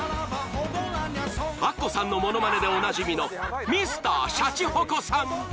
［アッコさんの物まねでおなじみのＭｒ．シャチホコさん］